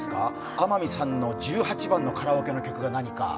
天海さんの十八番のカラオケが何か。